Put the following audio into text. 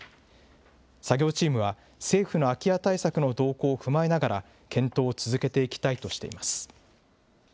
作業チームは、政府の空き家対策の動向を踏まえながら、検討を続けていきたいとしています。